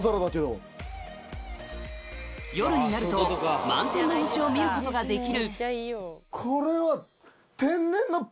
夜になると満天の星を見ることができるこれは。